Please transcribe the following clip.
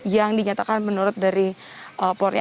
yang dinyatakan menurut dari polri